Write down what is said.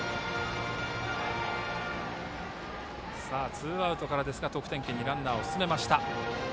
ツーアウトからですが得点圏にランナー進めました。